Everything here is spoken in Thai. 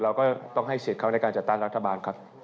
เราก็ต้องให้สิทธิ์เขาในการจัดตั้งรัฐบาลครับ